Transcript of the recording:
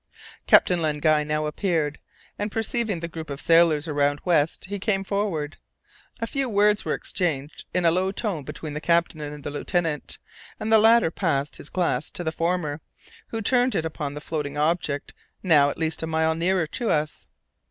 Captain Len Guy now appeared, and perceiving the group of sailors around West, he came forward. A few words were exchanged in a low tone between the captain and the lieutenant, and the latter passed his glass to the former, who turned it upon the floating object, now at least a mile nearer to us.